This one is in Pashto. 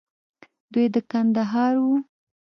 دوى د کندهار وو.